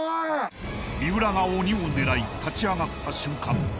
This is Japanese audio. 三浦が鬼を狙い立ち上がった瞬間